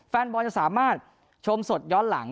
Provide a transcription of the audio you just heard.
แฟนบอลจะสามารถชมสดย้อนหลัง